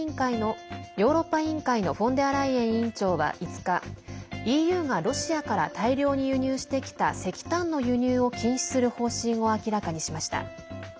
ヨーロッパ委員会のフォンデアライエン委員長は５日ＥＵがロシアから大量に輸入してきた石炭の輸入を禁止する方針を明らかにしました。